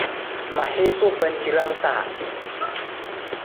Ma hiisu pancirang ta.